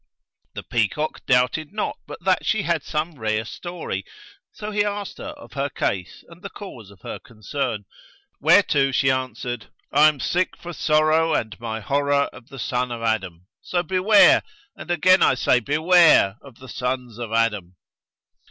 The peacock doubted not but that she had some rare story; so he asked her of her case and the cause of her concern, whereto she answered, "I am sick for sorrow, and my horror of the son of Adam:[FN#131] so beware, and again I say beware of the sons of Adam!"